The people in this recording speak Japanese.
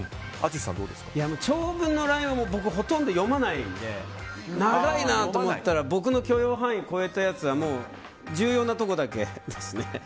長文ＬＩＮＥは読まないので長いなと思ったら僕の許容範囲を超えたやつはもう重要なところだけですね。